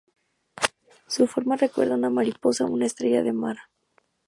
Su forma recuerda a una mariposa o a una estrella de mar.